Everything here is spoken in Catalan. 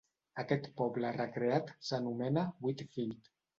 Aquest poble recreat s'anomena Wheatfield.